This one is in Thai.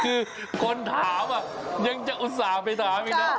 คือคนถามยังจะอุตส่าห์ไปถามอีกนะ